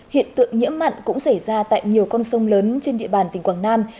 hiện tượng nhiễm mặn cũng xảy ra tại nhiều con sông lớn trên địa bàn tỉnh quảng nam